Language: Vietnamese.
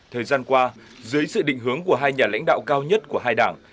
thời gian qua dưới sự định hướng của hai nhà lãnh đạo cao nhất của hai đảng